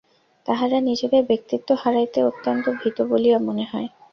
তাহারা নিজেদের ব্যক্তিত্ব হারাইতে অত্যন্ত ভীত বলিয়া মনে হয়।